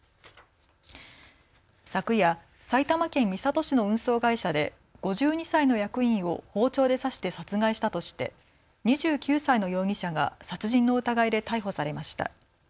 昨夜、埼玉県三郷市の運送会社で５２歳の役員を包丁で刺して殺害したとして２９歳の容疑者が殺人の疑いで逮捕されました。